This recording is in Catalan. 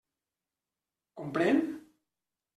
Comprèn?